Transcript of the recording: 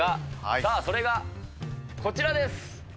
さあ、それがこちらです。